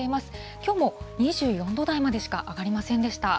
きょうも２４度台までしか上がりませんでした。